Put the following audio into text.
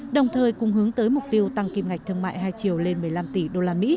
đồng thời cùng hướng tới mục tiêu tăng kim ngạch thương mại hai triệu lên một mươi năm tỷ usd